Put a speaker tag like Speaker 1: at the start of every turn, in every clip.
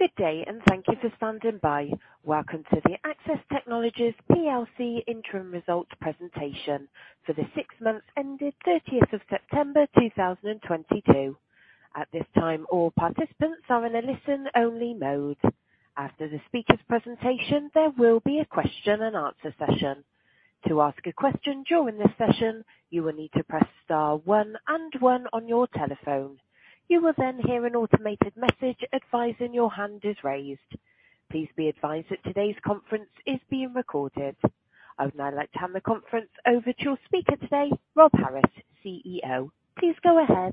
Speaker 1: Good day, and thank you for standing by. Welcome to the Accsys Technologies PLC Interim Results Presentation for the six months ended 30th of September 2022. At this time, all participants are in a listen-only mode. After the speaker's presentation, there will be a question and answer session. To ask a question during this session, you will need to press star one and one on your telephone. You will hear an automated message advising your hand is raised. Please be advised that today's conference is being recorded. I would now like to hand the conference over to your speaker today, Rob Harris, CEO. Please go ahead.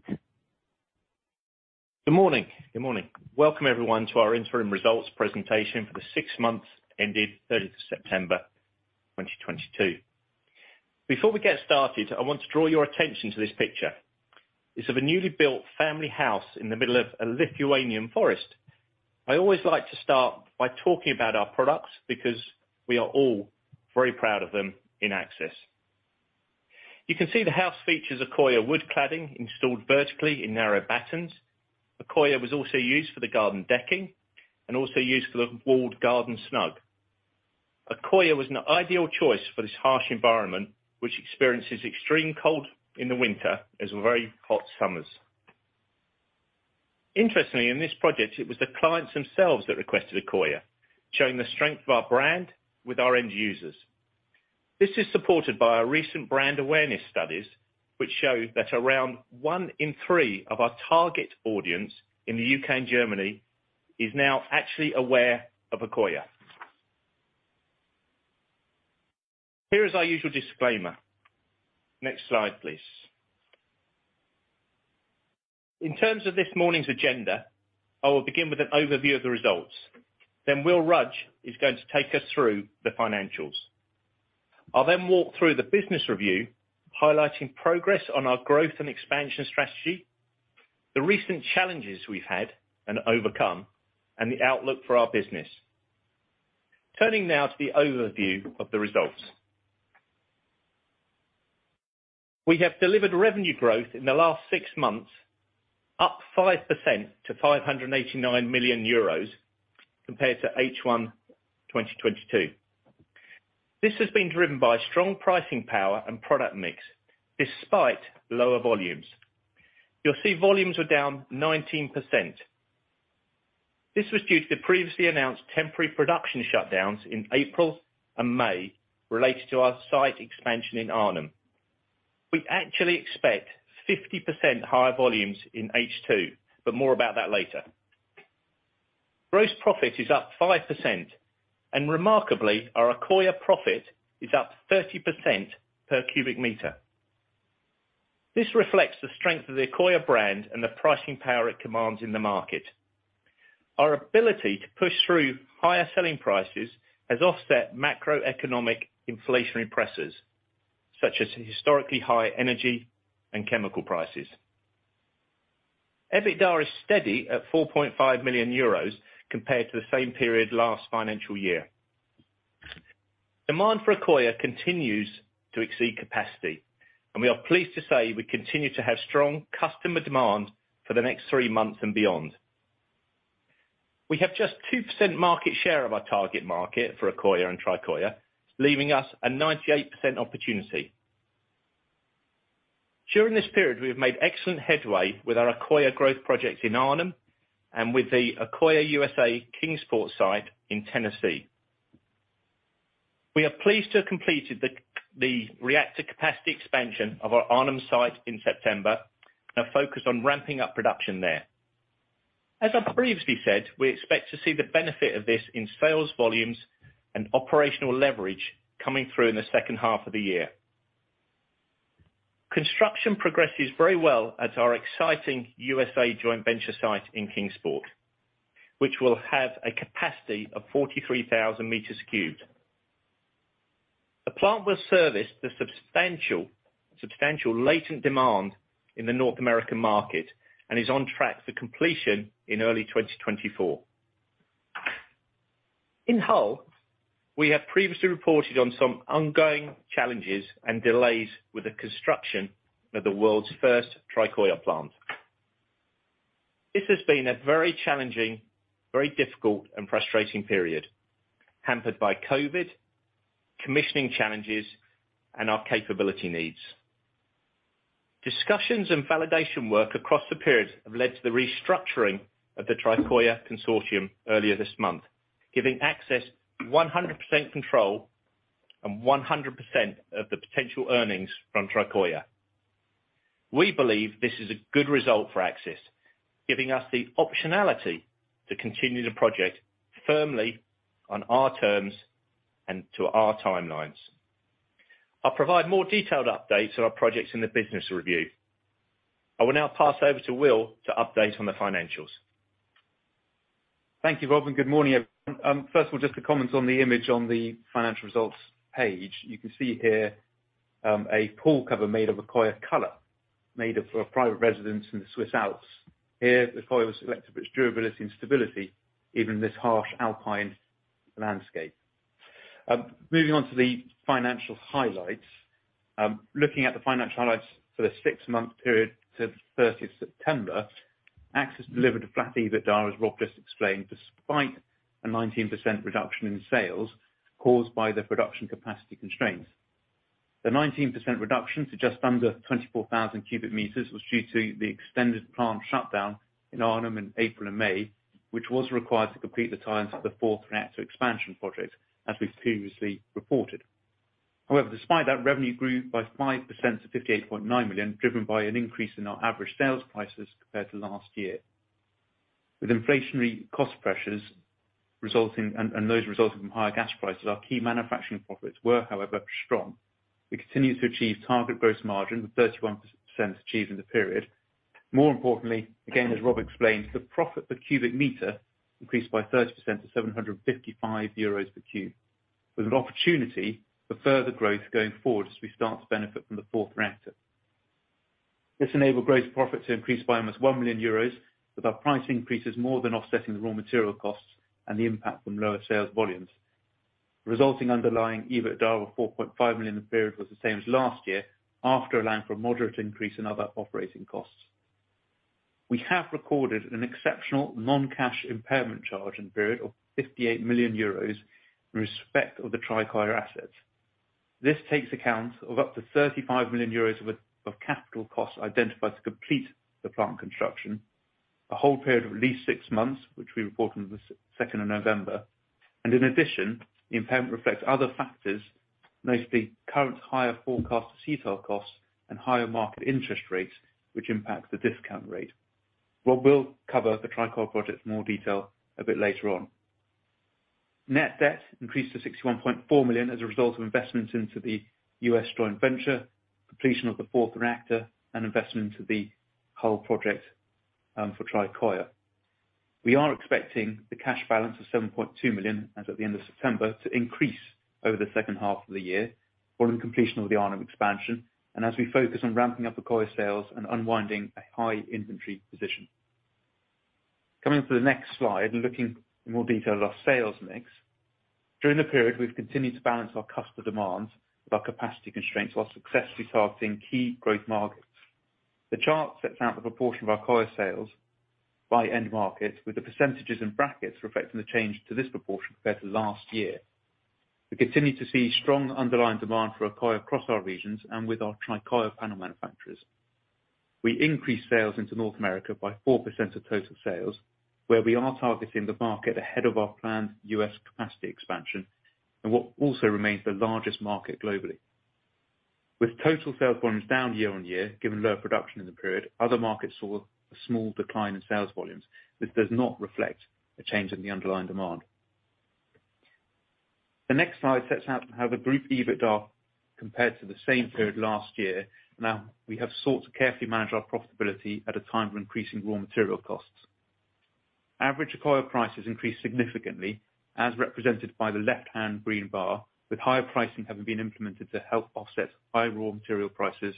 Speaker 2: Good morning. Good morning. Welcome everyone to our interim results presentation for the 6 months ending 30th of September 2022. Before we get started, I want to draw your attention to this picture. It's of a newly built family house in the middle of a Lithuanian forest. I always like to start by talking about our products because we are all very proud of them in Accsys. You can see the house features Accoya wood cladding installed vertically in narrow battens. Accoya was also used for the garden decking and also used for the walled garden snug. Accoya was an ideal choice for this harsh environment, which experiences extreme cold in the winter, as well as very hot summers. Interestingly, in this project, it was the clients themselves that requested Accoya, showing the strength of our brand with our end users. This is supported by our recent brand awareness studies, which show that around 1 in 3 of our target audience in the U.K. and Germany is now actually aware of Accoya. Here is our usual disclaimer. Next slide, please. In terms of this morning's agenda, I will begin with an overview of the results, then Will Rudge is going to take us through the financials. I'll then walk through the business review, highlighting progress on our growth and expansion strategy, the recent challenges we've had and overcome, and the outlook for our business. Turning now to the overview of the results. We have delivered revenue growth in the last 6 months, up 5% to 58.9 million euros compared to H1 2022. This has been driven by strong pricing power and product mix despite lower volumes. You'll see volumes are down 19%. This was due to the previously announced temporary production shutdowns in April and May related to our site expansion in Arnhem. We actually expect 50% higher volumes in H2, but more about that later. Gross profit is up 5% and remarkably, our Accoya profit is up 30% per cubic meter. This reflects the strength of the Accoya brand and the pricing power it commands in the market. Our ability to push through higher selling prices has offset macroeconomic inflationary pressures, such as historically high energy and chemical prices. EBITDA is steady at 4.5 million euros compared to the same period last financial year. Demand for Accoya continues to exceed capacity, and we are pleased to say we continue to have strong customer demand for the next 3 months and beyond. We have just 2% market share of our target market for Accoya and Tricoya, leaving us a 98% opportunity. During this period, we have made excellent headway with our Accoya growth project in Arnhem and with the Accoya USA Kingsport site in Tennessee. We are pleased to have completed the reactor capacity expansion of our Arnhem site in September and are focused on ramping up production there. As I previously said, we expect to see the benefit of this in sales volumes and operational leverage coming through in the second half of the year. Construction progresses very well at our exciting USA joint venture site in Kingsport, which will have a capacity of 43,000 meters cubed. The plant will service the substantial latent demand in the North American market and is on track for completion in early 2024. In Hull, we have previously reported on some ongoing challenges and delays with the construction of the world's first Tricoya plant. This has been a very challenging, very difficult and frustrating period, hampered by COVID, commissioning challenges, and our capability needs. Discussions and validation work across the period have led to the restructuring of the Tricoya consortium earlier this month, giving Accsys 100% control and 100% of the potential earnings from Tricoya. We believe this is a good result for Accsys, giving us the optionality to continue the project firmly on our terms and to our timelines. I'll provide more detailed updates on our projects in the business review. I will now pass over to Will to update on the financials.
Speaker 3: Thank you, Rob. Good morning, everyone. First of all, just to comment on the image on the financial results page. You can see here, a pool cover made of Accoya Color, made of a private residence in the Swiss Alps. Here, the Accoya was selected for its durability and stability, even in this harsh alpine landscape. Moving on to the financial highlights. Looking at the financial highlights for the six-month period to the 30th of September, Accsys delivered a flat EBITDA, as Rob just explained, despite a 19% reduction in sales caused by the production capacity constraints. The 19% reduction to just under 24,000 cubic meters was due to the extended plant shutdown in Arnhem in April and May, which was required to complete the tie-ins of the fourth reactor expansion project, as we've previously reported. Despite that, revenue grew by 5% to 58.9 million, driven by an increase in our average sales prices compared to last year. With inflationary cost pressures and those resulting from higher gas prices, our key manufacturing profits were, however, strong. We continued to achieve target gross margin, with 31% achieved in the period. More importantly, again, as Rob explained, the profit per cubic meter increased by 30% to 755 euros per cube, with an opportunity for further growth going forward as we start to benefit from the 4th reactor. This enabled gross profit to increase by almost 1 million euros, with our price increases more than offsetting the raw material costs and the impact from lower sales volumes. Resulting underlying EBITDA of 4.5 million in the period was the same as last year after allowing for a moderate increase in other operating costs. We have recorded an exceptional non-cash impairment charge in the period of 58 million euros in respect of the Tricoya assets. This takes account of up to 35 million euros worth of capital costs identified to complete the plant construction, a hold period of at least six months, which we reported on the second of November. In addition, the impairment reflects other factors, mostly current higher forecast acetyl costs and higher market interest rates, which impact the discount rate. Rob will cover the Tricoya project in more detail a bit later on. Net debt increased to 61.4 million as a result of investments into the U.S. joint venture, completion of the fourth reactor and investment into the whole project, for Tricoya. We are expecting the cash balance of 7.2 million as at the end of September to increase over the second half of the year following completion of the Arnhem expansion and as we focus on ramping up Accoya sales and unwinding a high inventory position. Coming to the next slide, looking in more detail at our sales mix. During the period, we've continued to balance our customer demands with our capacity constraints while successfully targeting key growth markets. The chart sets out the proportion of our Accoya sales by end market, with the % in brackets reflecting the change to this proportion compared to last year. We continue to see strong underlying demand for Accoya across our regions and with our Tricoya panel manufacturers. We increased sales into North America by 4% of total sales, where we are targeting the market ahead of our planned U.S. Capacity expansion and what also remains the largest market globally. With total sales volumes down year-on-year, given lower production in the period, other markets saw a small decline in sales volumes. This does not reflect a change in the underlying demand. The next slide sets out how the group EBITDA compared to the same period last year. We have sought to carefully manage our profitability at a time of increasing raw material costs. Average Accoya prices increased significantly, as represented by the left-hand green bar, with higher pricing having been been implemented to help offset high raw material prices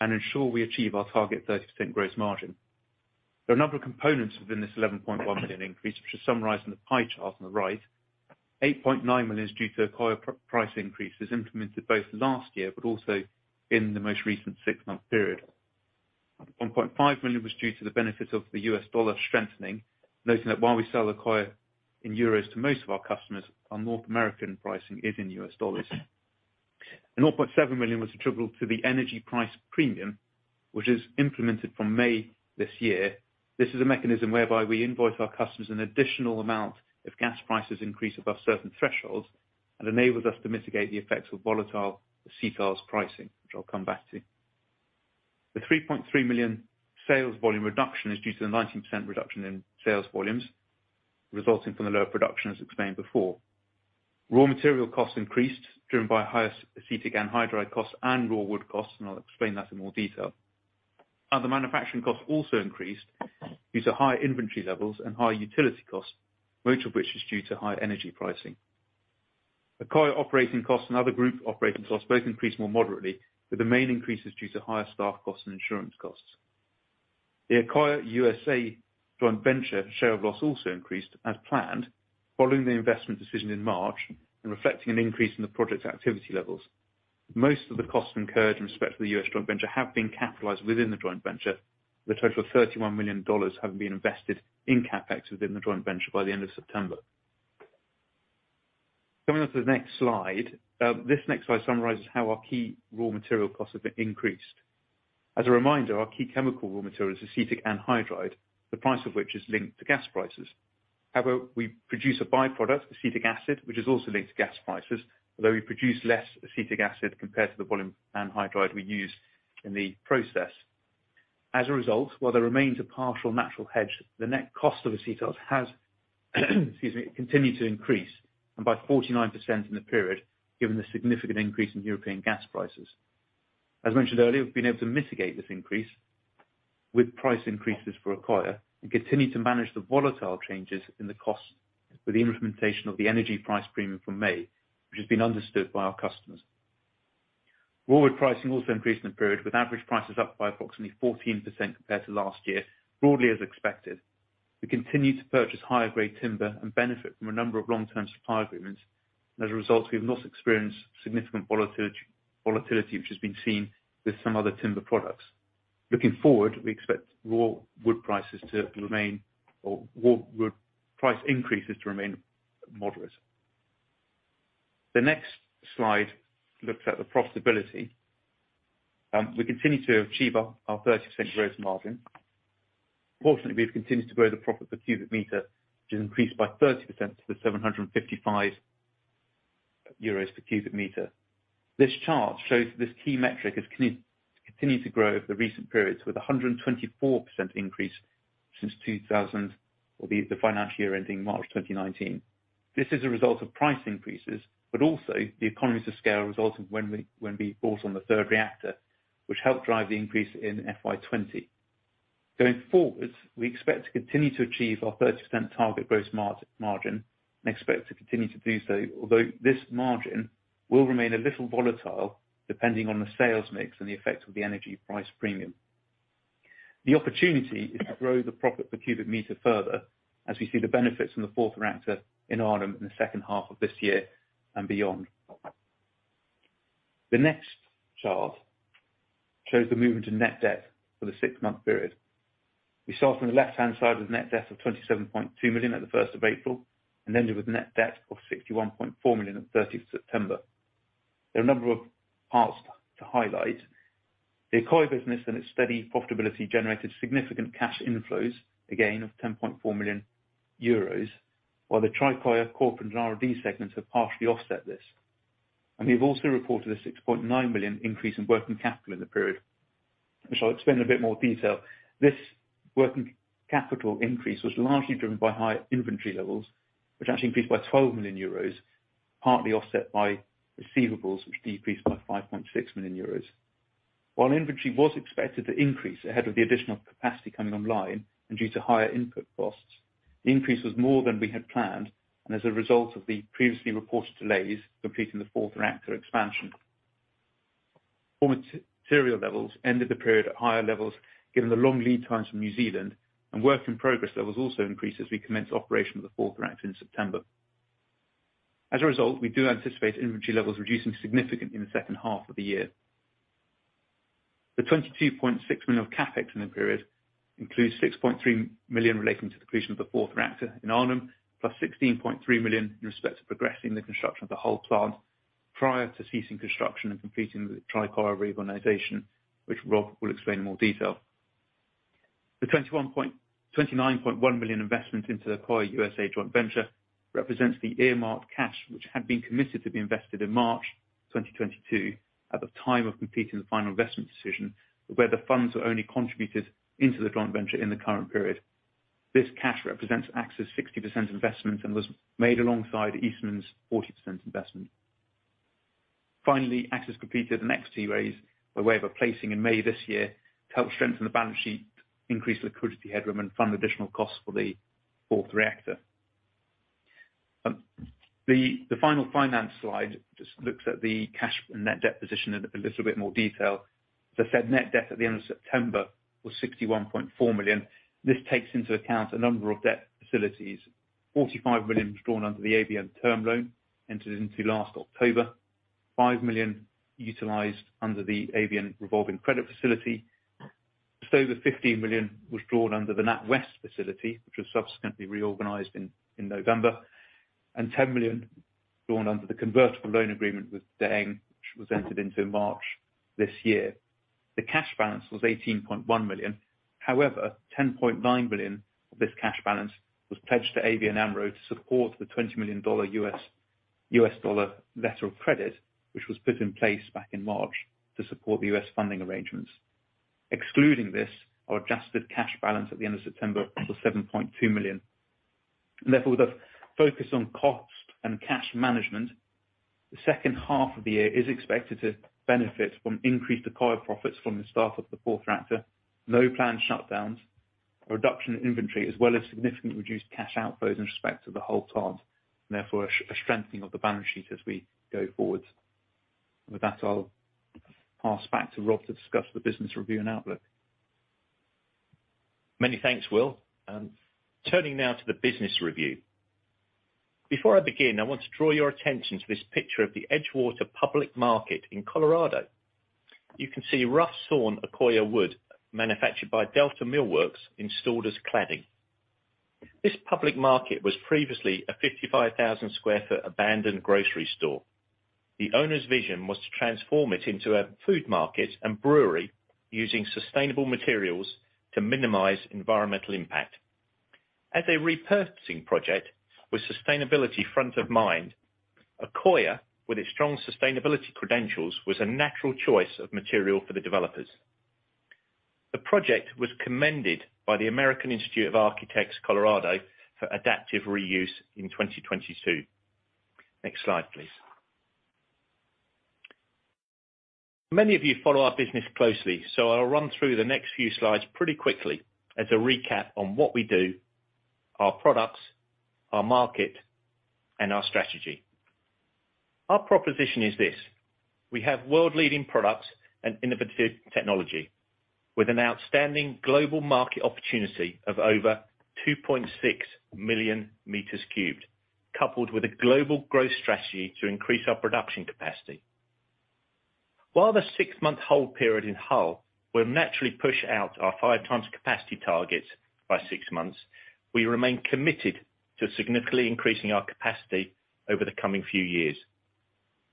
Speaker 3: and ensure we achieve our target 30% gross margin. There are a number of components within this 11.1 million increase, which are summarized in the pie chart on the right. 8.9 million is due to Accoya price increases implemented both last year, but also in the most recent six-month period. 1.5 million was due to the benefit of the U.S. dollar strengthening. Noting that while we sell Accoya in euros to most of our customers, our North American pricing is in U.S. dollars. 0.7 million was attributable to the energy price premium, which was implemented from May this year. This is a mechanism whereby we invoice our customers an additional amount if gas prices increase above certain thresholds and enables us to mitigate the effects of volatile acetals pricing, which I'll come back to. The 3.3 million sales volume reduction is due to the 19% reduction in sales volumes resulting from the lower production, as explained before. Raw material costs increased, driven by higher acetic anhydride costs and raw wood costs, I'll explain that in more detail. Other manufacturing costs also increased due to higher inventory levels and higher utility costs, most of which is due to higher energy pricing. Accoya operating costs and other group operating costs both increased more moderately, with the main increases due to higher staff costs and insurance costs. The Accoya USA joint venture share of loss also increased as planned following the investment decision in March and reflecting an increase in the project's activity levels. Most of the costs incurred in respect to the U.S. joint venture have been capitalized within the joint venture, with a total of $31 million having been invested in CapEx within the joint venture by the end of September. Coming on to the next slide. This next slide summarizes how our key raw material costs have increased. As a reminder, our key chemical raw material is acetic anhydride, the price of which is linked to gas prices. We produce a by-product, acetic acid, which is also linked to gas prices, although we produce less acetic acid compared to the volume anhydride we use in the process. As a result, while there remains a partial natural hedge, the net cost of acetals has excuse me, continued to increase and by 49% in the period, given the significant increase in European gas prices. As mentioned earlier, we've been able to mitigate this increase with price increases for Accoya and continue to manage the volatile changes in the costs with the implementation of the energy price premium from May, which has been understood by our customers. Raw wood pricing also increased in the period, with average prices up by approximately 14% compared to last year, broadly as expected. We continued to purchase higher grade timber and benefit from a number of long-term supply agreements. As a result, we've not experienced significant volatility which has been seen with some other timber products. Looking forward, we expect raw wood prices to remain, or raw wood price increases to remain moderate. The next slide looks at the profitability. We continue to achieve our 30% gross margin. Fortunately, we've continued to grow the profit per cubic meter, which increased by 30% to 755 euros per cubic meter. This chart shows this key metric is continued to grow over the recent periods, with a 124% increase since 2000. Well, the financial year ending March 2019. This is a result of price increases, but also the economies of scale resulting when we bought on the third reactor, which helped drive the increase in FY 20. Going forward, we expect to continue to achieve our 30% target gross margin and expect to continue to do so, although this margin will remain a little volatile depending on the sales mix and the effect of the energy price premium. The opportunity is to grow the profit per cubic meter further as we see the benefits in the fourth reactor in Arnhem in the second half of this year and beyond. The next chart shows the movement in net debt for the six-month period. We saw from the left-hand side with net debt of 27.2 million at the 1st of April, and ended with net debt of 61.4 million on 30th September. There are a number of parts to highlight. The Accoya business and its steady profitability generated significant cash inflows, a gain of 10.4 million euros, while the Tricoya Corp and R&D segments have partially offset this. We've also reported a 6.9 million increase in working capital in the period, which I'll explain in a bit more detail. This working capital increase was largely driven by higher inventory levels, which actually increased by 12 million euros, partly offset by receivables, which decreased by 5.6 million euros. While inventory was expected to increase ahead of the additional capacity coming online and due to higher input costs, the increase was more than we had planned, and as a result of the previously reported delays completing the fourth reactor expansion. Material levels ended the period at higher levels given the long lead times from New Zealand, and work in progress levels also increased as we commenced operation of the fourth reactor in September. As a result, we do anticipate inventory levels reducing significantly in the second half of the year. The 22.6 million CapEx in the period includes 6.3 million relating to the creation of the fourth reactor in Arnhem, plus 16.3 million in respect to progressing the construction of the whole plant prior to ceasing construction and completing the Tricoya revitalization, which Rob will explain in more detail. The 29.1 million investment into the Accoya USA joint venture represents the earmarked cash which had been committed to be invested in March 2022 at the time of completing the final investment decision, where the funds are only contributed into the joint venture in the current period. This cash represents Accsys 60% investment and was made alongside Eastman's 40% investment. Finally, Accsys completed an equity raise by way of a placing in May this year to help strengthen the balance sheet, increase liquidity headroom, and fund additional costs for the fourth reactor. The final finance slide just looks at the cash and net debt position in a little bit more detail. The said net debt at the end of September was 61.4 million. This takes into account a number of debt facilities. 45 million was drawn under the ABN term loan entered into last October. 5 million utilized under the ABN revolving credit facility. Just over 15 million was drawn under the NatWest facility, which was subsequently reorganized in November. Ten million drawn under the convertible loan agreement with De Engh B.V., which was entered into in March this year. The cash balance was 18.1 million. 10.9 million of this cash balance was pledged to ABN AMRO to support the $20 million U.S. dollar letter of credit, which was put in place back in March to support the U.S. funding arrangements. Excluding this, our adjusted cash balance at the end of September was 7.2 million. With a focus on cost and cash management, the second half of the year is expected to benefit from increased Accoya profits from the start of the fourth reactor, no planned shutdowns, a reduction in inventory, as well as significantly reduced cash outflows in respect to the whole plant, a strengthening of the balance sheet as we go forward. With that, I'll pass back to Rob to discuss the business review and outlook.
Speaker 2: Many thanks, Will. Turning now to the business review. Before I begin, I want to draw your attention to this picture of the Edgewater Public Market in Colorado. You can see rough sawn Accoya wood manufactured by Delta Millworks installed as cladding. This public market was previously a 55,000 sq ft abandoned grocery store. The owner's vision was to transform it into a food market and brewery using sustainable materials to minimize environmental impact. As a repurposing project with sustainability front of mind, Accoya, with its strong sustainability credentials, was a natural choice of material for the developers. The project was commended by the American Institute of Architects Colorado for adaptive reuse in 2022. Next slide, please. Many of you follow our business closely, so I'll run through the next few slides pretty quickly as a recap on what we do, our products, our market and our strategy. Our proposition is this: we have world-leading products and innovative technology with an outstanding global market opportunity of over 2.6 million meters cubed, coupled with a global growth strategy to increase our production capacity. While the six-month hold period in Hull will naturally push out our five times capacity targets by six months, we remain committed to significantly increasing our capacity over the coming few years.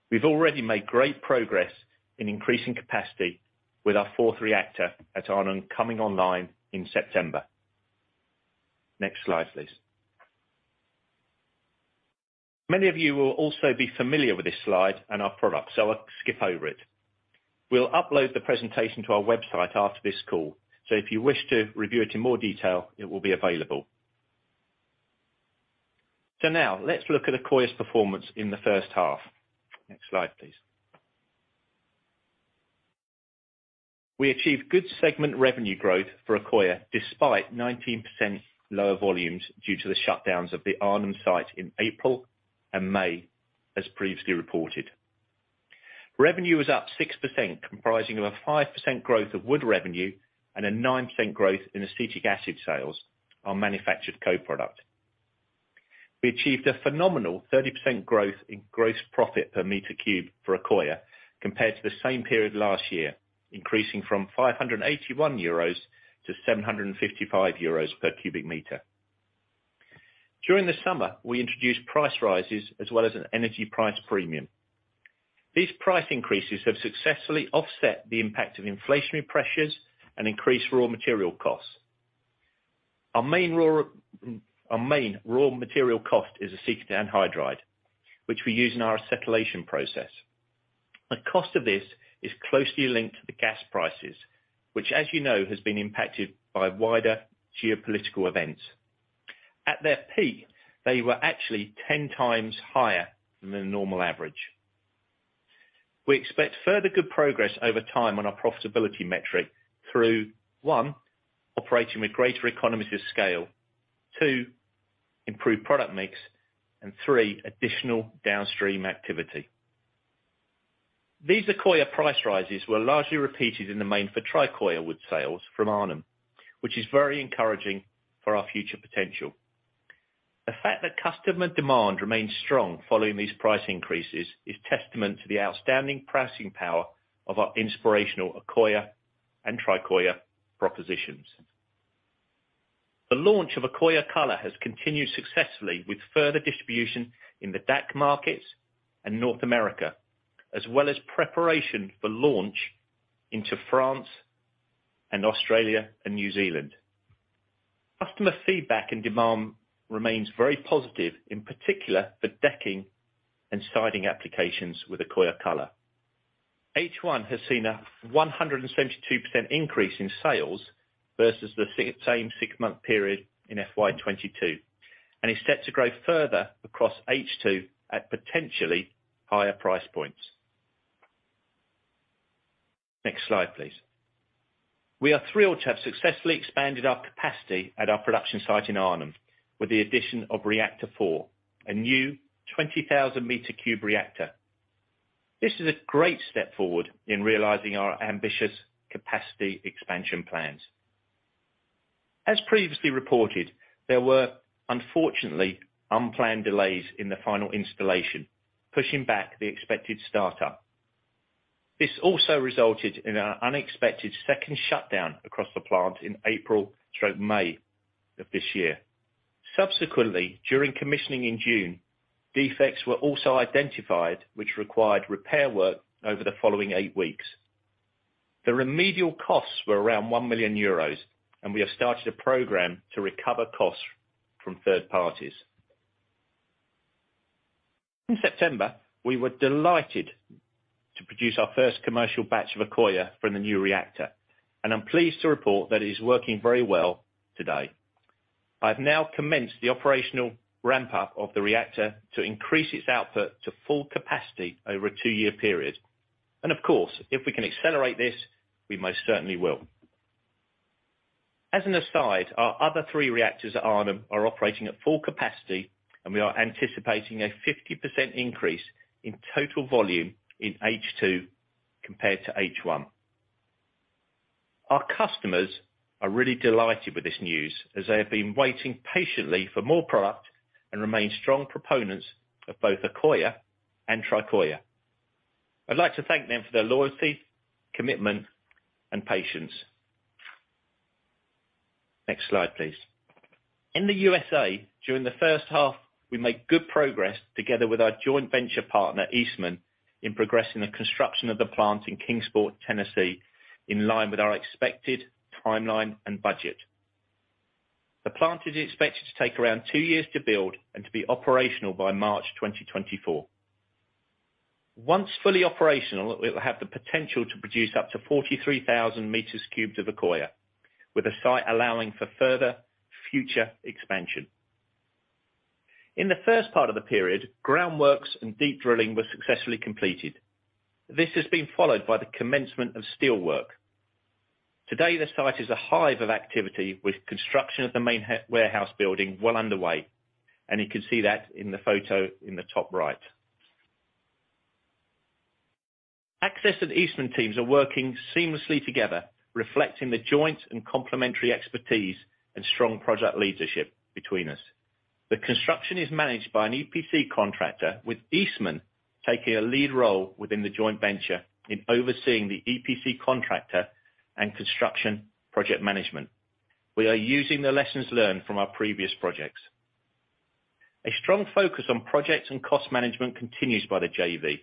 Speaker 2: We've already made great progress in increasing capacity with our fourth reactor at Arnhem coming online in September. Next slide, please. Many of you will also be familiar with this slide and our products, so I'll skip over it. We'll upload the presentation to our website after this call, so if you wish to review it in more detail, it will be available. Now let's look at Accoya's performance in the first half. Next slide, please. We achieved good segment revenue growth for Accoya, despite 19% lower volumes due to the shutdowns of the Arnhem site in April and May, as previously reported. Revenue was up 6%, comprising of a 5% growth of wood revenue and a 9% growth in acetic acid sales, our manufactured co-product. We achieved a phenomenal 30% growth in gross profit per meter cube for Accoya compared to the same period last year, increasing from 581 euros to 755 euros per cubic meter. During the summer, we introduced price rises as well as an energy price premium. These price increases have successfully offset the impact of inflationary pressures and increased raw material costs. Our main raw material cost is acetic anhydride, which we use in our acetylation process. The cost of this is closely linked to the gas prices, which, as you know, has been impacted by wider geopolitical events. At their peak, they were actually 10 times higher than the normal average. We expect further good progress over time on our profitability metric through, 1, operating with greater economies of scale, 2, improved product mix, and 3, additional downstream activity. These Accoya price rises were largely repeated in the main for Tricoya wood sales from Arnhem, which is very encouraging for our future potential. The fact that customer demand remains strong following these price increases is testament to the outstanding pricing power of our inspirational Accoya and Tricoya propositions. The launch of Accoya Color has continued successfully with further distribution in the DAC markets and North America, as well as preparation for launch into France and Australia and New Zealand. Customer feedback and demand remains very positive, in particular for decking and siding applications with Accoya Color. H1 has seen a 172% increase in sales versus the same six-month period in FY 2022, and is set to grow further across H2 at potentially higher price points. Next slide, please. We are thrilled to have successfully expanded our capacity at our production site in Arnhem with the addition of reactor four, a new 20,000 meter cube reactor. This is a great step forward in realizing our ambitious capacity expansion plans. As previously reported, there were unfortunately unplanned delays in the final installation, pushing back the expected start-up. This also resulted in an unexpected second shutdown across the plant in April through May of this year. Subsequently, during commissioning in June, defects were also identified, which required repair work over the following eight weeks. The remedial costs were around 1 million euros, and we have started a program to recover costs from third parties. In September, we were delighted to produce our first commercial batch of Accoya from the new reactor, and I'm pleased to report that it is working very well today. I've now commenced the operational ramp up of the reactor to increase its output to full capacity over a two-year period. Of course, if we can accelerate this, we most certainly will. As an aside, our other three reactors at Arnhem are operating at full capacity, and we are anticipating a 50% increase in total volume in H2 compared to H1. Our customers are really delighted with this news as they have been waiting patiently for more product and remain strong proponents of both Accoya and Tricoya. I'd like to thank them for their loyalty, commitment, and patience. Next slide, please. In the USA, during the first half, we made good progress together with our joint venture partner, Eastman, in progressing the construction of the plant in Kingsport, Tennessee, in line with our expected timeline and budget. The plant is expected to take around two years to build and to be operational by March 2024. Once fully operational, it will have the potential to produce up to 43,000 meters cubed of Accoya, with the site allowing for further future expansion. In the first part of the period, groundworks and deep drilling were successfully completed. This has been followed by the commencement of steel work. Today, the site is a hive of activity, with construction of the main warehouse building well underway, and you can see that in the photo in the top right. Accsys and Eastman teams are working seamlessly together, reflecting the joint and complementary expertise and strong project leadership between us. The construction is managed by an EPC contractor, with Eastman taking a lead role within the joint venture in overseeing the EPC contractor and construction project management. We are using the lessons learned from our previous projects. A strong focus on projects and cost management continues by the JV.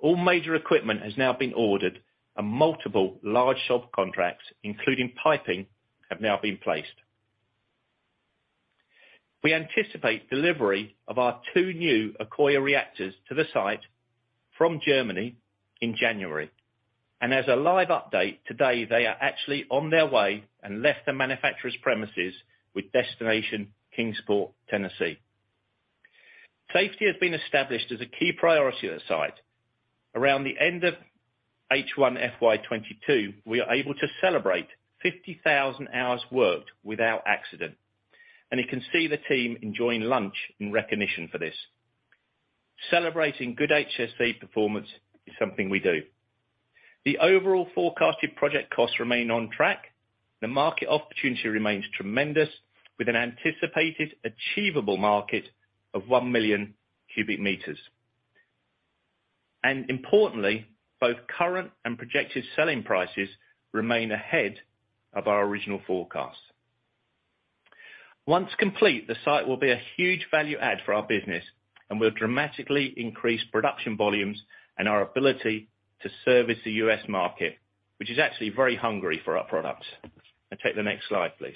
Speaker 2: All major equipment has now been ordered and multiple large sub-contracts, including piping, have now been placed. We anticipate delivery of our two new Accoya reactors to the site from Germany in January. As a live update, today they are actually on their way and left the manufacturer's premises with destination Kingsport, Tennessee. Safety has been established as a key priority at site. Around the end of H1 FY22, we are able to celebrate 50,000 hours worked without accident, and you can see the team enjoying lunch in recognition for this. Celebrating good HSE performance is something we do. The overall forecasted project costs remain on track. The market opportunity remains tremendous, with an anticipated achievable market of 1 million cubic meters. Importantly, both current and projected selling prices remain ahead of our original forecast. Once complete, the site will be a huge value add for our business and will dramatically increase production volumes and our ability to service the U.S. market, which is actually very hungry for our products. Take the next slide, please.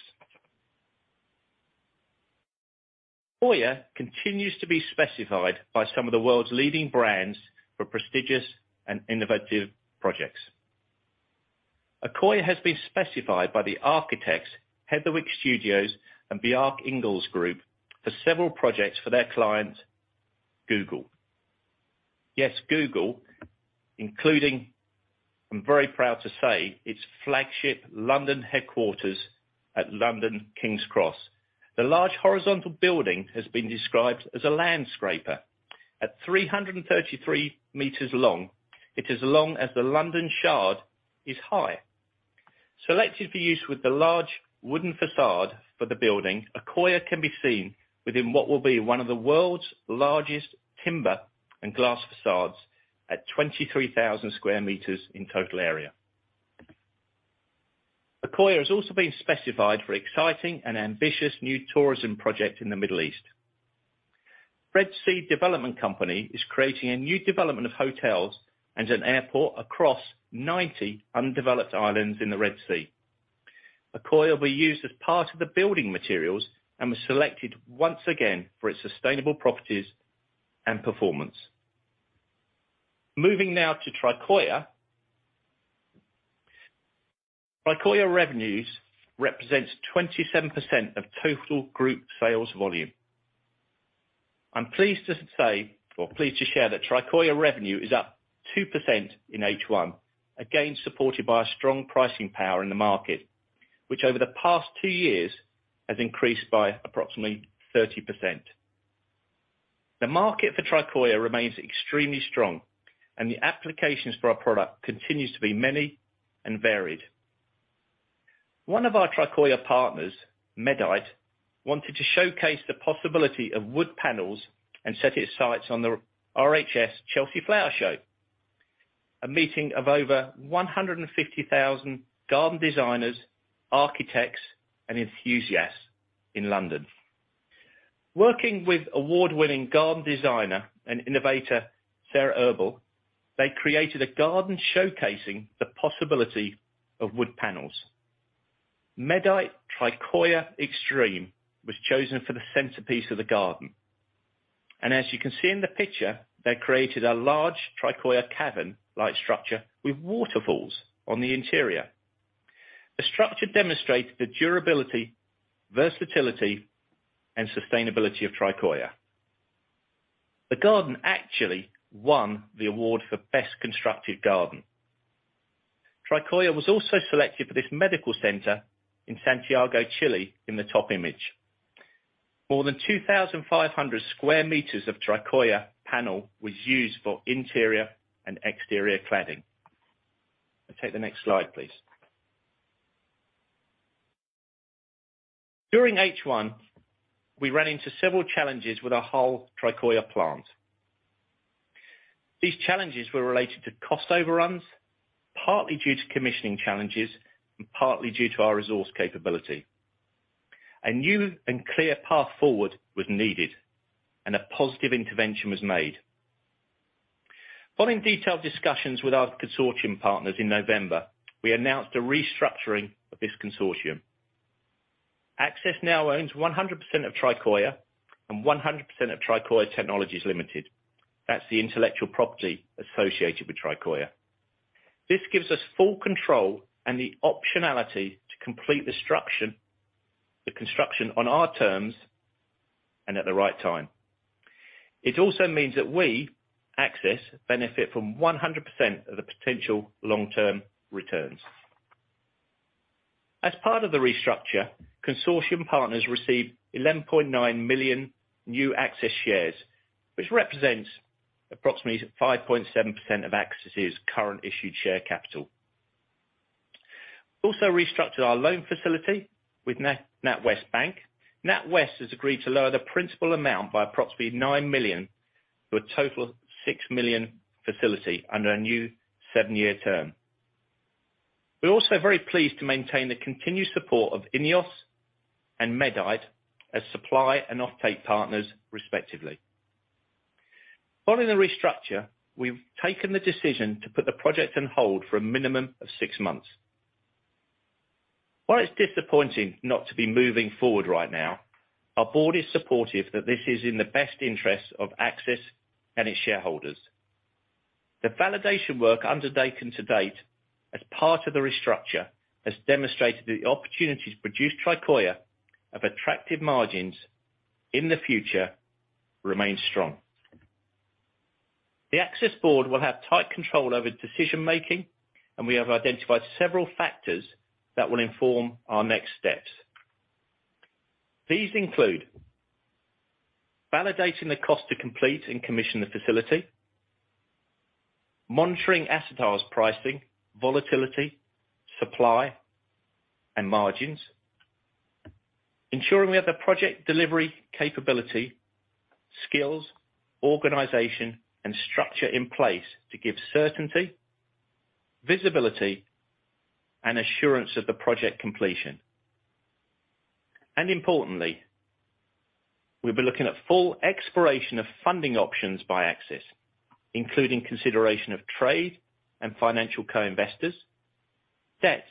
Speaker 2: Accoya continues to be specified by some of the world's leading brands for prestigious and innovative projects. Accoya has been specified by the architects, Heatherwick Studio and Bjarke Ingels Group, for several projects for their client, Google. Yes, Google, including, I'm very proud to say, its flagship London headquarters at London King's Cross. The large horizontal building has been described as a land scraper. At 333 meters long, it is as long as the London Shard is high. Selected for use with the large wooden facade for the building, Accoya can be seen within what will be one of the world's largest timber and glass facades at 23,000 square meters in total area. Accoya has also been specified for exciting and ambitious new tourism project in the Middle East. The Red Sea Development Company is creating a new development of hotels and an airport across 90 undeveloped islands in the Red Sea. Accoya will be used as part of the building materials and was selected once again for its sustainable properties and performance. Moving now to Tricoya. Tricoya revenues represents 27% of total group sales volume. I'm pleased to share that Tricoya revenue is up 2% in H1, again, supported by a strong pricing power in the market, which over the past two years has increased by approximately 30%. The market for Tricoya remains extremely strong, and the applications for our product continues to be many and varied. One of our Tricoya partners, Medite, wanted to showcase the possibility of wood panels and set its sights on the RHS Chelsea Flower Show, a meeting of over 150,000 garden designers, architects, and enthusiasts in London. Working with award-winning garden designer and innovator, Lulu Urquhart, they created a garden showcasing the possibility of wood panels. MEDITE TRICOYA EXTREME was chosen for the centerpiece of the garden. As you can see in the picture, they created a large Tricoya cabin-like structure with waterfalls on the interior. The structure demonstrated the durability, versatility, and sustainability of Tricoya. The garden actually won the award for best constructed garden. Tricoya was also selected for this medical center in Santiago, Chile, in the top image. More than 2,500 square meters of Tricoya panel was used for interior and exterior cladding. Take the next slide, please. During H1, we ran into several challenges with our whole Tricoya plant. These challenges were related to cost overruns, partly due to commissioning challenges and partly due to our resource capability. A new and clear path forward was needed, and a positive intervention was made. Following detailed discussions with our consortium partners in November, we announced a restructuring of this consortium. Accsys now owns 100% of Tricoya and 100% of Tricoya Technologies Limited. That's the intellectual property associated with Tricoya. This gives us full control and the optionality to complete the construction on our terms and at the right time. It also means that we, Accsys, benefit from 100% of the potential long-term returns. As part of the restructure, consortium partners received 11.9 million new Accsys shares, which represents approximately 5.7% of Accsys's current issued share capital. Also restructured our loan facility with NatWest Bank. NatWest has agreed to lower the principal amount by approximately 9 million, to a total of 6 million facility under a new seven-year term. We're also very pleased to maintain the continued support of INEOS and Medite as supply and offtake partners respectively. Following the restructure, we've taken the decision to put the project on hold for a minimum of six months. While it's disappointing not to be moving forward right now, our board is supportive that this is in the best interest of Accsys and its shareholders. The validation work undertaken to date as part of the restructure has demonstrated that the opportunities to produce Tricoya of attractive margins in the future remain strong. The Accsys board will have tight control over decision making, and we have identified several factors that will inform our next steps. These include validating the cost to complete and commission the facility, monitoring acetals pricing, volatility, supply, and margins, ensuring we have the project delivery capability, skills, organization, and structure in place to give certainty, visibility, and assurance of the project completion. Importantly, we'll be looking at full exploration of funding options by Accsys, including consideration of trade and financial co-investors, debt,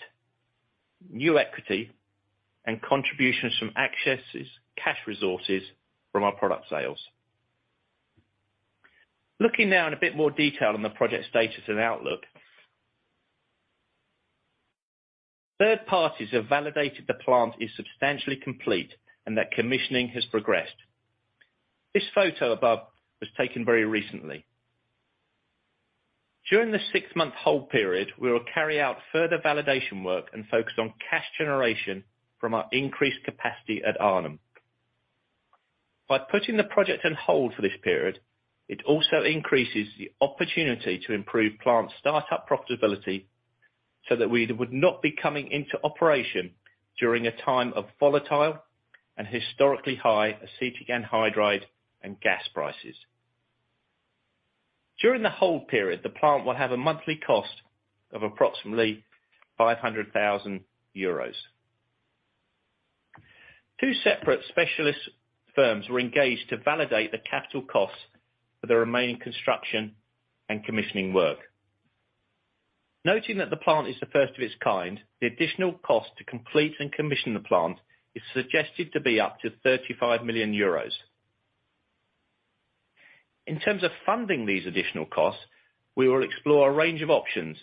Speaker 2: new equity, and contributions from Accsys's cash resources from our product sales. Looking now in a bit more detail on the project status and outlook. Third parties have validated the plant is substantially complete and that commissioning has progressed. This photo above was taken very recently. During the 6-month hold period, we will carry out further validation work and focus on cash generation from our increased capacity at Arnhem. By putting the project on hold for this period, it also increases the opportunity to improve plant startup profitability so that we would not be coming into operation during a time of volatile and historically high acetic anhydride and gas prices. During the hold period, the plant will have a monthly cost of approximately 500,000 euros. Two separate specialist firms were engaged to validate the capital costs for the remaining construction and commissioning work. Noting that the plant is the first of its kind, the additional cost to complete and commission the plant is suggested to be up to 35 million euros. In terms of funding these additional costs, we will explore a range of options,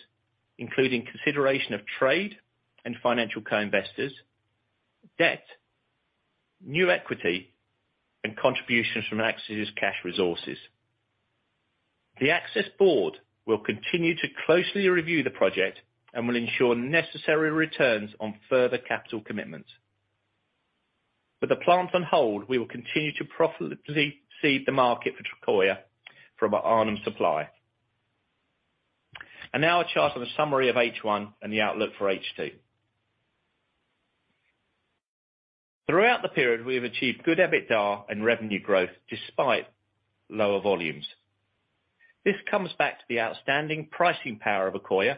Speaker 2: including consideration of trade and financial co-investors, debt, new equity, and contributions from Accsys's cash resources. The Accsys board will continue to closely review the project and will ensure necessary returns on further capital commitments. With the plant on hold, we will continue to profitably seed the market for Tricoya from our Arnhem supply. Now a chart on the summary of H1 and the outlook for H2. Throughout the period, we have achieved good EBITDA and revenue growth despite lower volumes. This comes back to the outstanding pricing power of Accoya.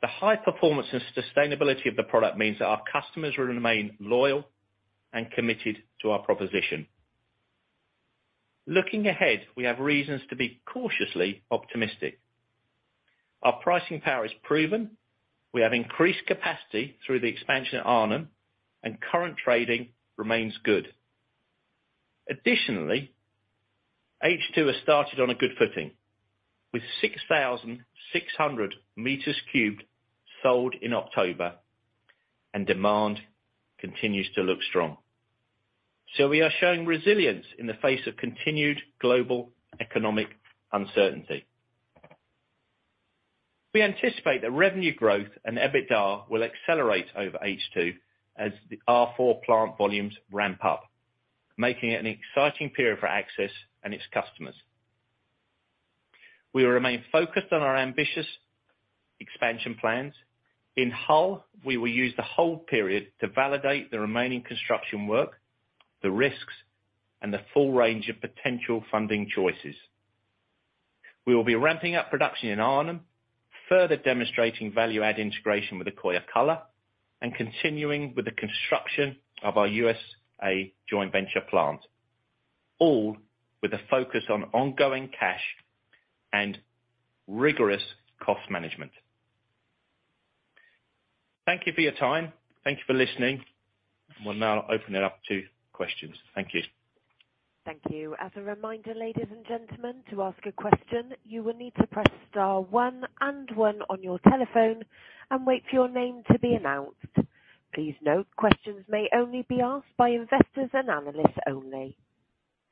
Speaker 2: The high performance and sustainability of the product means that our customers will remain loyal and committed to our proposition. Looking ahead, we have reasons to be cautiously optimistic. Our pricing power is proven, we have increased capacity through the expansion at Arnhem, and current trading remains good. H2 has started on a good footing, with 6,600 meters cubed sold in October. Demand continues to look strong. We are showing resilience in the face of continued global economic uncertainty. We anticipate that revenue growth and EBITDA will accelerate over H2 as the R4 plant volumes ramp up, making it an exciting period for Accsys and its customers. We will remain focused on our ambitious expansion plans. In Hull, we will use the whole period to validate the remaining construction work, the risks, and the full range of potential funding choices. We will be ramping up production in Arnhem, further demonstrating value-add integration with Accoya Color, and continuing with the construction of our USA joint venture plant, all with a focus on ongoing cash and rigorous cost management. Thank you for your time. Thank you for listening. We'll now open it up to questions. Thank you.
Speaker 1: Thank you. As a reminder, ladies and gentlemen, to ask a question, you will need to press star 1 and 1 on your telephone and wait for your name to be announced. Please note, questions may only be asked by investors and analysts only.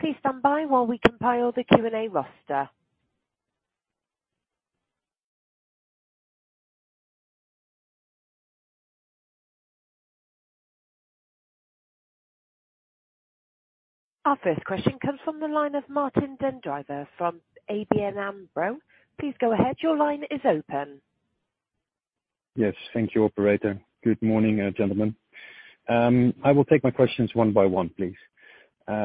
Speaker 1: Please stand by while we compile the Q&A roster. Our first question comes from the line of Martijn den Drijver from ABN AMRO. Please go ahead, your line is open.
Speaker 4: Yes. Thank you, operator. Good morning, gentlemen. I will take my questions one by one, please.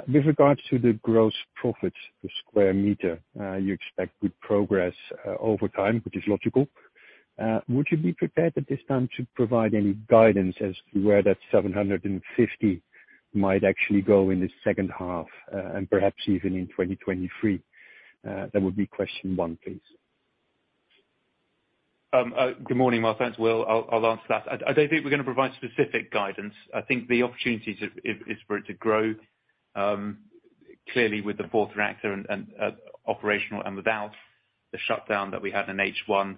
Speaker 4: With regards to the gross profits, the square meter, you expect good progress over time, which is logical. Would you be prepared at this time to provide any guidance as to where that 750 might actually go in the second half, and perhaps even in 2023? That would be question one, please.
Speaker 3: Good morning, Martijn. It's Will. I'll answer that. I don't think we're gonna provide specific guidance. I think the opportunity is for it to grow, clearly with the fourth reactor and operational and without the shutdown that we had in H1.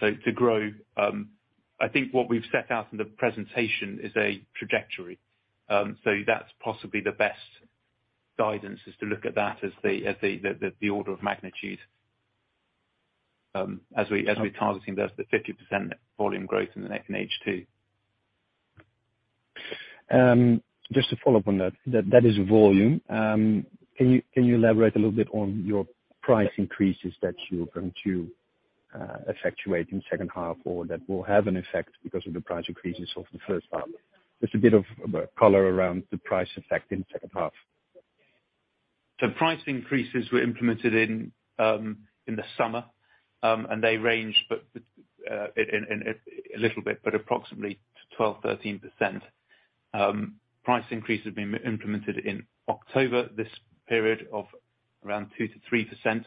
Speaker 3: To grow, I think what we've set out in the presentation is a trajectory. That's possibly the best guidance, is to look at that as the order of magnitude, as we're targeting there, the 50% volume growth in H2.
Speaker 4: Just to follow up on that. That is volume. Can you elaborate a little bit on your price increases that you're going to effectuate in second half, or that will have an effect because of the price increases of the first half? Just a bit of color around the price effect in second half.
Speaker 3: The price increases were implemented in the summer, they range, but in a little bit, but approximately to 12%-13%. Price increase has been implemented in October, this period of around 2%-3%,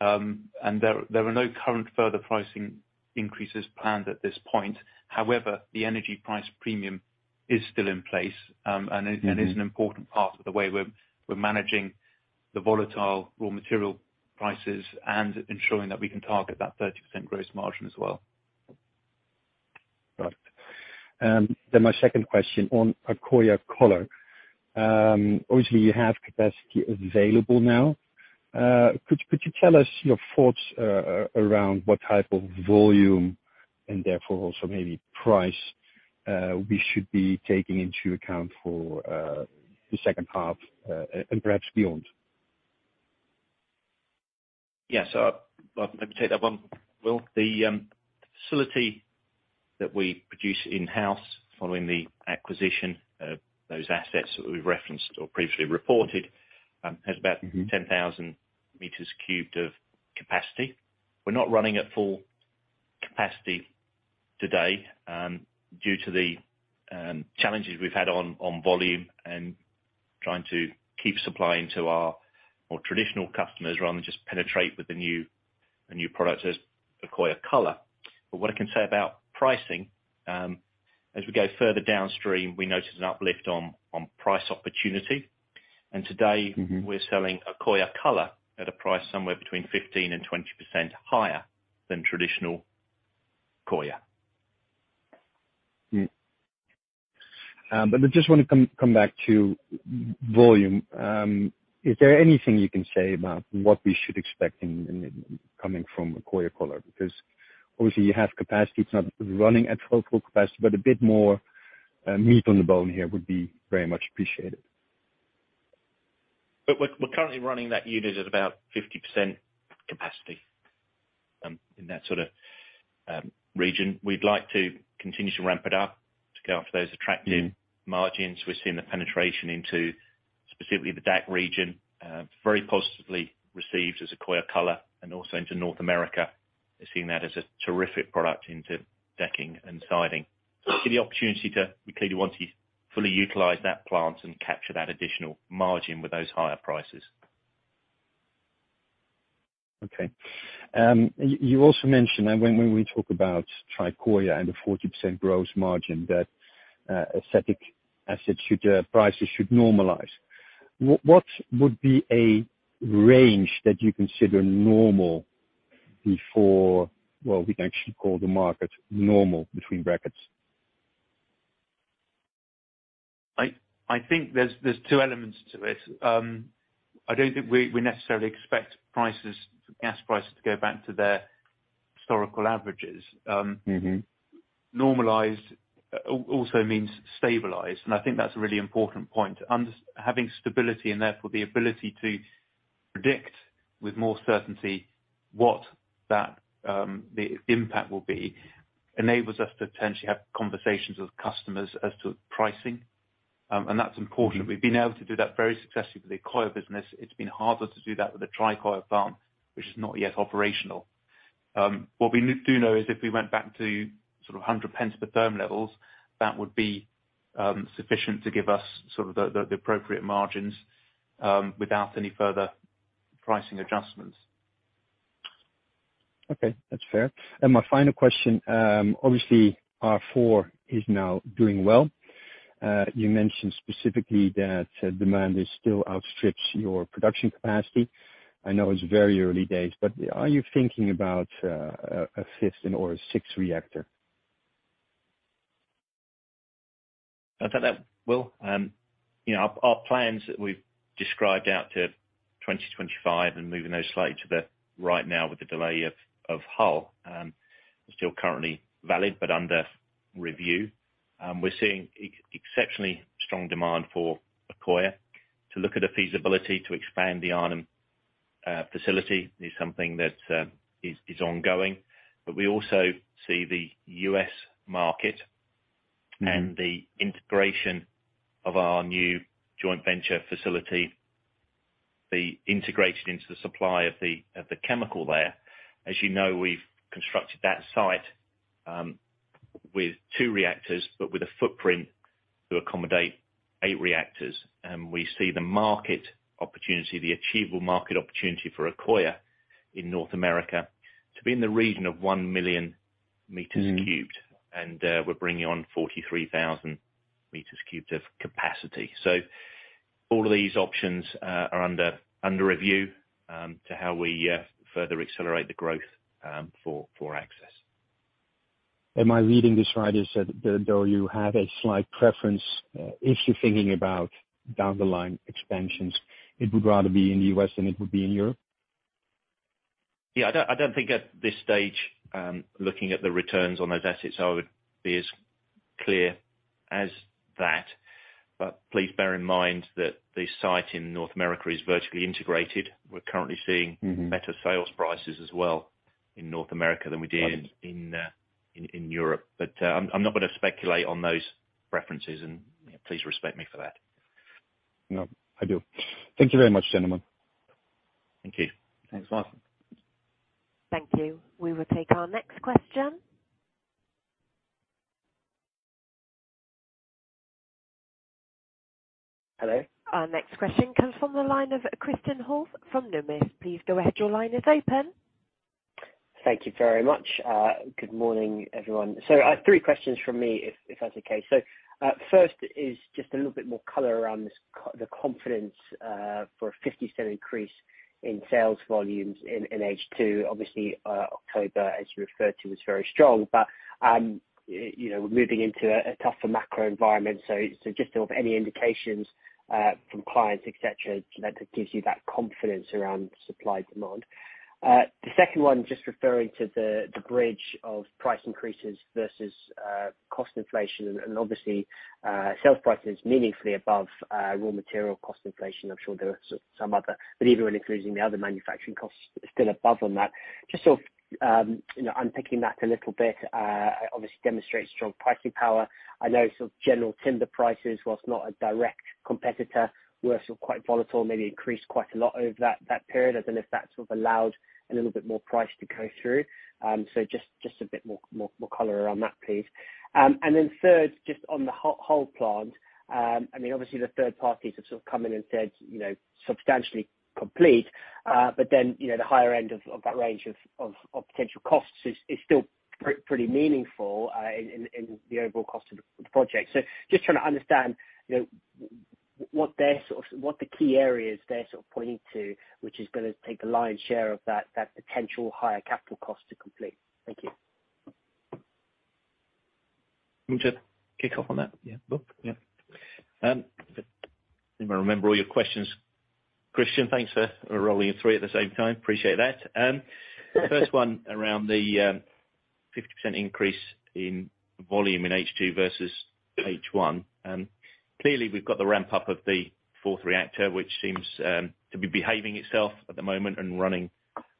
Speaker 3: and there are no current further pricing increases planned at this point. However, the energy price premium is still in place.
Speaker 4: Mm-hmm.
Speaker 3: It is an important part of the way we're managing the volatile raw material prices and ensuring that we can target that 30% gross margin as well.
Speaker 4: Right. Then my second question on Accoya Color. Obviously you have capacity available now. Could you tell us your thoughts around what type of volume, and therefore also maybe price, we should be taking into account for the second half, and perhaps beyond?
Speaker 2: Yeah. let me take that one, Will. The facility that we produce in-house following the acquisition of those assets that we've referenced or previously reported.
Speaker 4: Mm-hmm.
Speaker 2: 10,000 meters cubed of capacity. We're not running at full capacity today, due to the challenges we've had on volume and trying to keep supplying to our more traditional customers, rather than just penetrate with the new product as Accoya Color. What I can say about pricing, as we go further downstream, we notice an uplift on price opportunity. Today.
Speaker 4: Mm-hmm.
Speaker 2: We're selling Accoya Color at a price somewhere between 15% and 20% higher than traditional Accoya.
Speaker 4: I just wanna come back to volume. Is there anything you can say about what we should expect in coming from Accoya Color? Obviously you have capacity, it's not running at full capacity, but a bit more meat on the bone here would be very much appreciated.
Speaker 3: We're currently running that unit at about 50% capacity, in that sort of, region. We'd like to continue to ramp it up to go after those.
Speaker 4: Mm-hmm.
Speaker 3: Margins. We're seeing the penetration into specifically the DAC region, very positively received as Accoya Color, and also into North America. They're seeing that as a terrific product into decking and siding. The opportunity to. We clearly want to fully utilize that plant and capture that additional margin with those higher prices.
Speaker 4: You also mentioned that when we talk about Tricoya and the 40% gross margin, that acetic acid should prices should normalize. What would be a range that you consider normal before we can actually call the market normal between brackets?
Speaker 3: I think there's two elements to it. I don't think we necessarily expect prices, gas prices to go back to their historical averages.
Speaker 4: Mm-hmm.
Speaker 3: Normalized also means stabilized. I think that's a really important point. Having stability and therefore the ability to predict with more certainty what that, the impact will be, enables us to potentially have conversations with customers as to pricing. That's important.
Speaker 4: Mm-hmm.
Speaker 3: We've been able to do that very successfully with the Accoya business. It's been harder to do that with the Tricoya plant, which is not yet operational. What we do know is if we went back to sort of 100 pence per therm levels, that would be sufficient to give us sort of the, the appropriate margins, without any further pricing adjustments.
Speaker 4: Okay. That's fair. My final question, obviously R4 is now doing well. You mentioned specifically that demand still outstrips your production capacity. I know it's very early days, but are you thinking about a fifth and/or a sixth reactor?
Speaker 2: I'll take that, Will. You know, our plans that we've described out to 2025 and moving those slightly to the right now with the delay of Hull, are still currently valid, but under review. We're seeing exceptionally strong demand for Accoya. To look at a feasibility to expand the Arnhem facility is something that is ongoing. We also see the U.S. market-
Speaker 4: Mm-hmm.
Speaker 2: The integration of our new joint venture facility, be integrated into the supply of the, of the chemical there. As you know, we've constructed that site, with two reactors, but with a footprint to accommodate eight reactors. We see the market opportunity, the achievable market opportunity for Accoya in North America to be in the region of 1 million meters cubed.
Speaker 4: Mm-hmm.
Speaker 2: We're bringing on 43,000 meters cubed of capacity. All of these options are under review to how we further accelerate the growth for Accsys.
Speaker 4: Am I reading this right, is that though you have a slight preference, if you're thinking about down the line expansions, it would rather be in the U.S. than it would be in Europe?
Speaker 3: Yeah, I don't think at this stage, looking at the returns on those assets, I would be as clear as that. Please bear in mind that the site in North America is vertically integrated. We're currently seeing.
Speaker 4: Mm-hmm
Speaker 3: better sales prices as well in North America than we did-
Speaker 4: Right
Speaker 3: in Europe. I'm not gonna speculate on those preferences and, you know, please respect me for that.
Speaker 4: No, I do. Thank you very much, gentlemen.
Speaker 3: Thank you.
Speaker 2: Thanks, bye.
Speaker 1: Thank you. We will take our next question.
Speaker 5: Hello?
Speaker 1: Our next question comes from the line of Christian Horth from Numis. Please go ahead. Your line is open.
Speaker 5: Thank you very much. Good morning, everyone. I have three questions from me, if that's okay. First is just a little bit more color around this, the confidence for a 50% increase in sales volumes in H2. Obviously, October, as you referred to, was very strong, but, you know, we're moving into a tougher macro environment. Just of any indications from clients, et cetera, that gives you that confidence around supply, demand. The second one, just referring to the bridge of price increases versus cost inflation and obviously, self-pricing is meaningfully above raw material cost inflation. I'm sure there are some other, but even when including the other manufacturing costs still above on that. Just sort of, you know, unpicking that a little bit, obviously demonstrates strong pricing power. I know sort of general timber prices, whilst not a direct competitor, were sort of quite volatile, maybe increased quite a lot over that period, as if that sort of allowed a little bit more price to go through. Just a bit more color around that, please. Then third, just on the Hull plant, I mean, obviously the third parties have sort of come in and said, you know, substantially complete, but then, you know, the higher end of that range of potential costs is still pretty meaningful in the overall cost of the project. Just trying to understand, you know, what they're sort of, what the key areas they're sort of pointing to, which is gonna take the lion's share of that potential higher capital cost to complete. Thank you.
Speaker 2: Want me to kick off on that?
Speaker 3: Yeah.
Speaker 2: Well, yeah. I'm trying to remember all your questions, Christian, thanks for rolling in 3 at the same time. Appreciate that. First one around the 50% increase in volume in H2 versus H1, clearly, we've got the ramp up of the 4th reactor, which seems to be behaving itself at the moment and running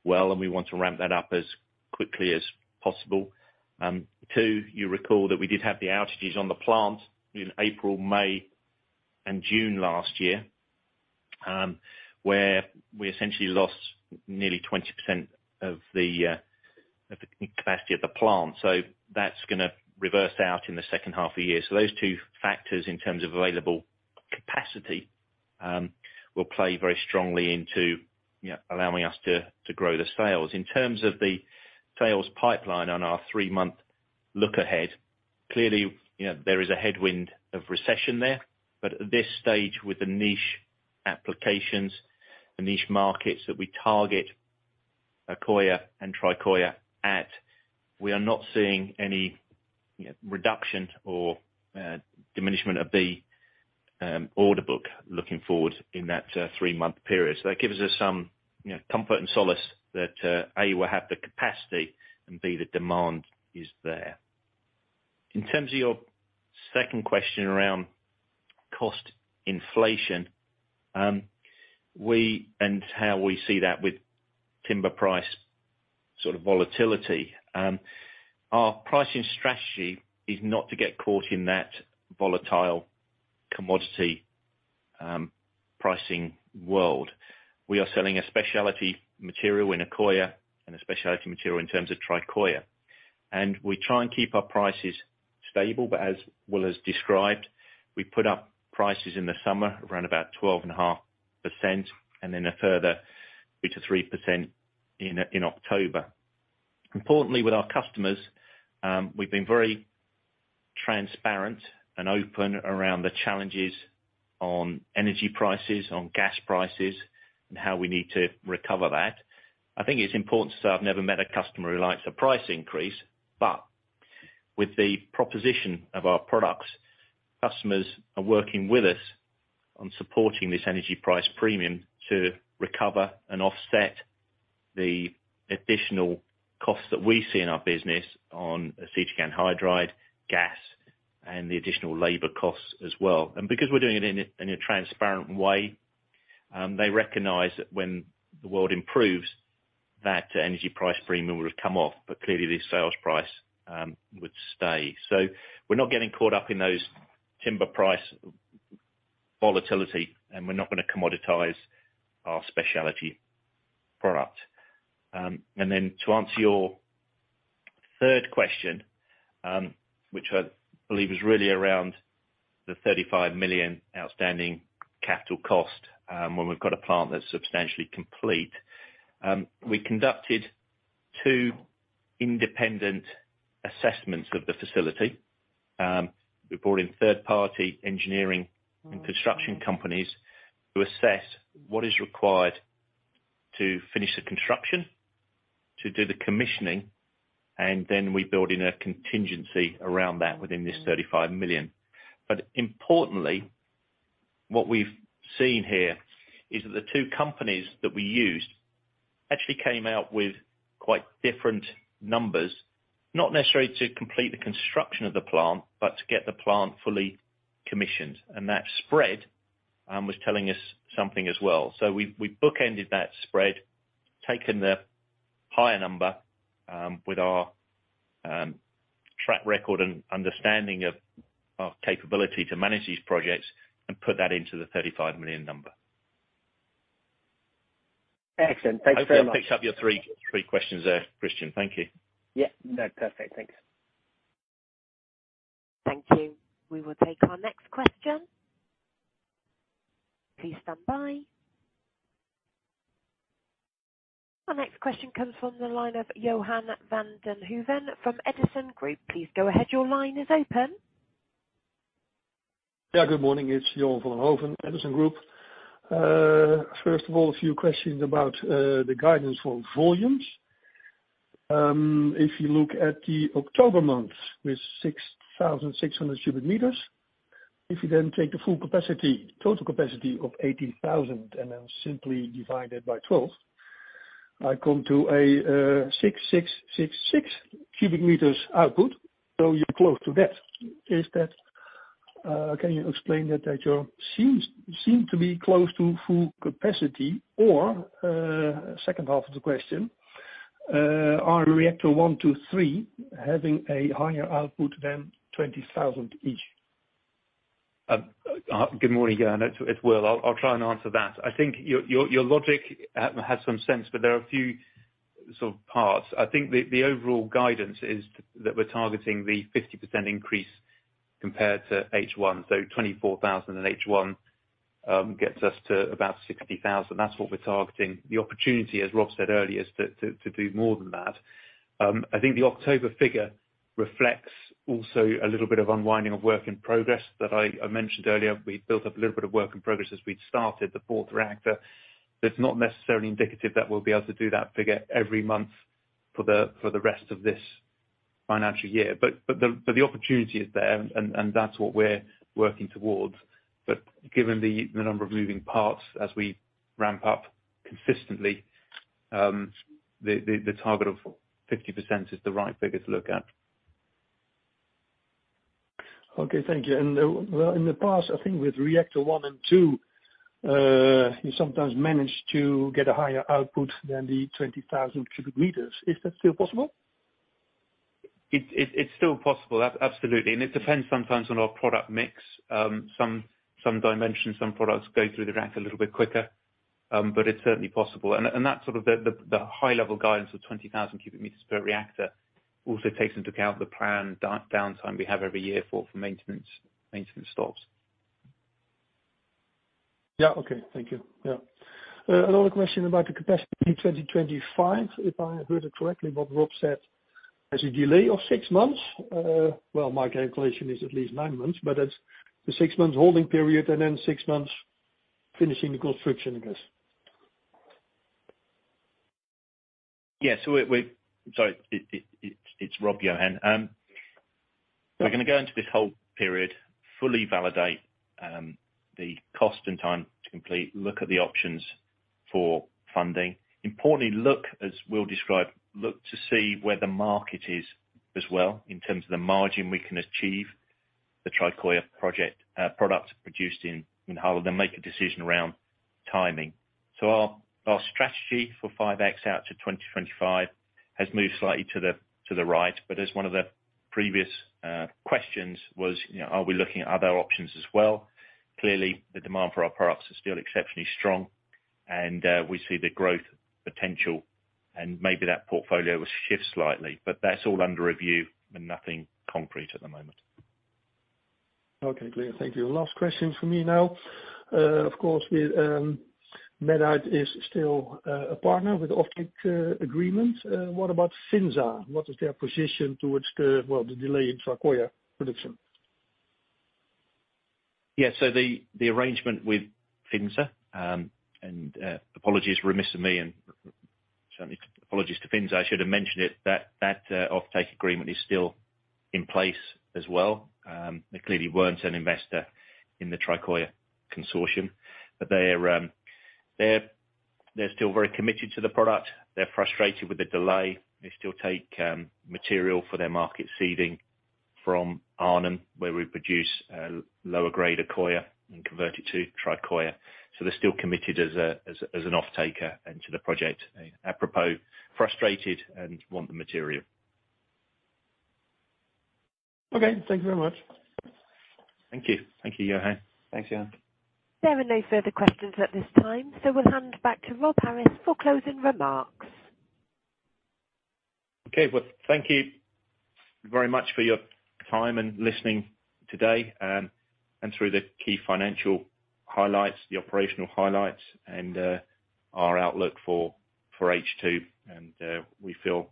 Speaker 2: well, and we want to ramp that up as quickly as possible. Two, you recall that we did have the outages on the plant in April, May, and June last year, where we essentially lost nearly 20% of the capacity of the plant. That's gonna reverse out in the second half of the year. Those two factors in terms of available capacity will play very strongly into, you know, allowing us to grow the sales. In terms of the sales pipeline on our three-month look ahead. Clearly, you know, there is a headwind of recession there. At this stage with the niche applications, the niche markets that we target Accoya and Tricoya at, we are not seeing any reduction or diminishment of the order book looking forward in that three-month period. That gives us some, you know, comfort and solace that A, we'll have the capacity, and B, the demand is there. In terms of your second question around cost inflation, and how we see that with timber price sort of volatility. Our pricing strategy is not to get caught in that volatile commodity pricing world. We are selling a specialty material in Accoya and a specialty material in terms of Tricoya. We try and keep our prices stable. As Will has described, we put up prices in the summer around about 12.5%, and then a further 2%-3% in October. Importantly with our customers, we've been very transparent and open around the challenges on energy prices, on gas prices, and how we need to recover that. I think it's important to say I've never met a customer who likes a price increase, but with the proposition of our products, customers are working with us on supporting this energy price premium to recover and offset the additional costs that we see in our business on acetic anhydride, gas, and the additional labor costs as well. Because we're doing it in a transparent way, they recognize that when the world improves, that energy price premium will have come off, but clearly the sales price would stay. We're not getting caught up in those timber price volatility, and we're not gonna commoditize our specialty product. To answer your third question, which I believe is really around the 35 million outstanding capital cost, when we've got a plant that's substantially complete. We conducted two independent assessments of the facility, we brought in third-party engineering and construction companies to assess what is required to finish the construction, to do the commissioning, and then we build in a contingency around that within this 35 million. Importantly, what we've seen here is that the two companies that we used actually came out with quite different numbers, not necessarily to complete the construction of the plant, but to get the plant fully commissioned. That spread was telling us something as well. We, we bookended that spread, taken the higher number, with our track record and understanding of our capability to manage these projects and put that into the 35 million number.
Speaker 5: Excellent. Thanks very much.
Speaker 2: I hope that picks up your three questions there, Christian. Thank you.
Speaker 5: Yeah. No, perfect. Thanks.
Speaker 1: Thank you. We will take our next question. Please stand by. Our next question comes from the line of Johan van den Hooven from Edison Group. Please go ahead, your line is open.
Speaker 6: Yeah, good morning. It's Johan van den Hooven, Edison Group. First of all, a few questions about the guidance for volumes. If you look at the October month with 6,600 cubic meters, if you then take the full capacity, total capacity of 18,000 and then simply divide it by 12, I come to a 6,666 cubic meters output. You're close to that. Is that, can you explain that you seem to be close to full capacity? Second half of the question, are reactor 1, 2, 3 having a higher output than 20,000 each?
Speaker 3: Good morning again. It's Will. I'll try and answer that. I think your logic has some sense. There are a few sort of parts. I think the overall guidance is that we're targeting the 50% increase compared to H1. 24,000 in H1 gets us to about 60,000. That's what we're targeting. The opportunity, as Rob said earlier, is to do more than that. I think the October figure reflects also a little bit of unwinding of work in progress that I mentioned earlier. We'd built up a little bit of work in progress as we'd started the fourth reactor. That's not necessarily indicative that we'll be able to do that figure every month for the rest of this financial year. The opportunity is there and that's what we're working towards. Given the number of moving parts as we ramp up consistently, the target of 50% is the right figure to look at.
Speaker 6: Okay. Thank you. In the past, I think with reactor 1 and 2, you sometimes managed to get a higher output than the 20,000 cubic meters. Is that still possible?
Speaker 3: It's still possible, absolutely, and it depends sometimes on our product mix. Some dimensions, some products go through the rack a little bit quicker, but it's certainly possible. That's sort of the high-level guidance of 20,000 cubic meters per reactor also takes into account the planned downtime we have every year for maintenance stops.
Speaker 6: Okay. Thank you. Another question about the capacity in 2025. If I heard it correctly, what Rob said, there's a delay of 6 months. Well, my calculation is at least 9 months, but it's the 6 months holding period and then 6 months finishing the construction, I guess.
Speaker 2: Yeah. It's Rob, Johan. We're gonna go into this whole period, fully validate the cost and time to complete, look at the options for funding. Importantly, look, as Will described, look to see where the market is as well in terms of the margin we can achieve, the Tricoya project products produced in Holland, then make a decision around timing. Our strategy for 5x out to 2025 has moved slightly to the right. As one of the previous questions was, you know, are we looking at other options as well? Clearly, the demand for our products is still exceptionally strong and we see the growth potential and maybe that portfolio will shift slightly. That's all under review and nothing concrete at the moment.
Speaker 6: Okay, clear. Thank you. Last question for me now. Of course, we, Medite is still a partner with offtake agreement. What about FINSA? What is their position towards the, well, the delay in Tricoya production?
Speaker 2: The arrangement with FINSA, and apologies remiss of me and certainly apologies to FINSA, I should have mentioned it, that offtake agreement is still in place as well. They clearly weren't an investor in the Tricoya consortium, but they're still very committed to the product. They're frustrated with the delay. They still take material for their market seeding from Arnhem, where we produce a lower grade Accoya and convert it to Tricoya. So, they're still committed as an offtaker and to the project, apropos, frustrated and want the material.
Speaker 6: Okay. Thank you very much.
Speaker 2: Thank you. Thank you, Johan.
Speaker 3: Thanks, Johan.
Speaker 1: There are no further questions at this time. We'll hand back to Rob Harris for closing remarks.
Speaker 2: Okay. Well, thank you very much for your time and listening today, through the key financial highlights, the operational highlights and our outlook for H2. We feel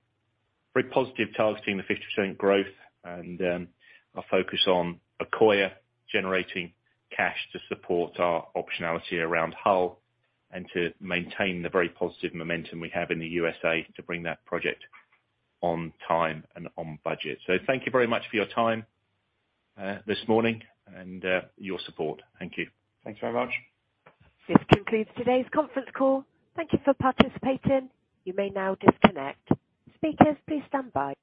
Speaker 2: very positive targeting the 50% growth and our focus on Accoya, generating cash to support our optionality around Hull and to maintain the very positive momentum we have in the USA to bring that project on time and on budget. Thank you very much for your time this morning and your support. Thank you.
Speaker 3: Thanks very much.
Speaker 1: This concludes today's conference call. Thank you for participating. You may now disconnect. Speakers, please stand by.